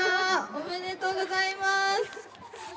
おめでとうございます。